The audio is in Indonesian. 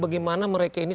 bagaimana mereka ini